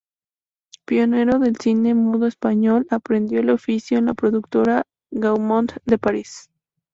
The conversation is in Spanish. Pionero del cine mudo español, aprendió el oficio en la productora Gaumont de París.